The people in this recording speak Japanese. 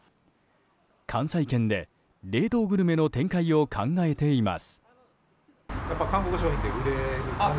関西圏で冷凍グルメの展開を考えています。